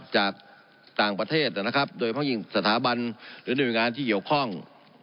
จากต่างประเทศนะครับโดยเพราะยิ่งสถาบันหรือหน่วยงานที่เกี่ยวข้อง